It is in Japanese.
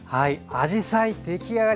あじさい出来上がりました。